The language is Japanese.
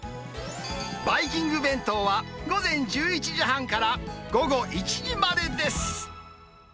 バイキング弁当は午前１１時半から午後１時までです。